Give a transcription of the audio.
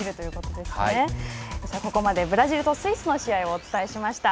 ここまでブラジルとスイスの試合をお伝えしました。